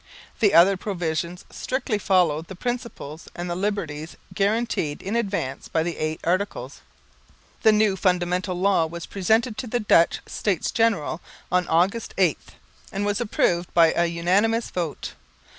The other provisions strictly followed the principles and the liberties guaranteed in advance by the Eight Articles. The new Fundamental Law was presented to the Dutch States General on August 8, and was approved by a unanimous vote.